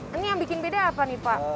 ini yang bikin beda apa nih pak